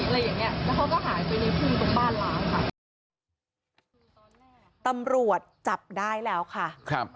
แล้วเขาก็หายไปในพื้นตรงบ้านร้านค่ะตำรวจจับได้แล้วค่ะครับ